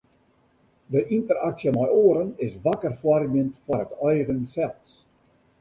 De ynteraksje mei oaren is wakker foarmjend foar it eigen sels.